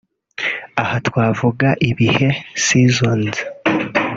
Aha twavuga ibihe (seasons)